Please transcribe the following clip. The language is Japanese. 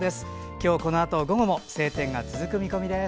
今日、このあと午後も晴天が続く見込みです。